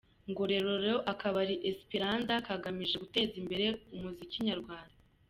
Ngororero Akabari Esiperanza kagamije guteza imbere umuziki nyarwanda